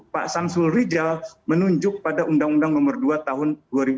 pak samsul rijal menunjuk pada undang undang nomor dua tahun dua ribu dua